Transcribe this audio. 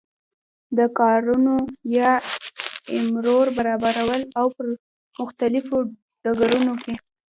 د کارونو یا امورو برابرول او په مختلفو ډګرونو کی